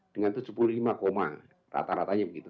dengan tujuh puluh lima koma rata ratanya begitu